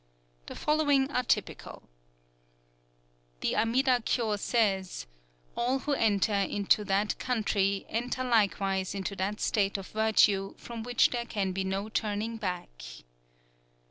The following are typical: "_The Amida Kyō says: 'All who enter into that country enter likewise into that state of virtue from which there can be no turning back.